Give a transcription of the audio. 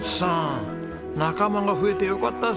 仲間が増えてよかったですね。